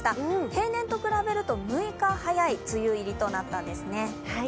平年と比べると６日早い梅雨入りとなったんですね。